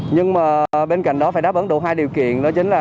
nhưng mà bên cạnh đó phải đáp ứng đủ hai điều kiện đó chính là